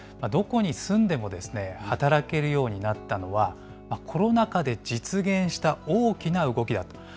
どこに住んでも働けるようになったのは、コロナ禍で実現した大きな動きだと。